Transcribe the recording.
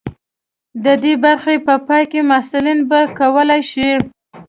د دې برخې په پای کې محصلین به وکولی شي.